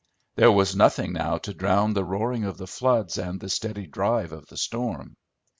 There was nothing now to drown the roaring of the floods and the steady drive of the storm.